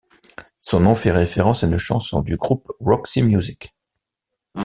Son nom fait référence à une chanson du groupe Roxy Music.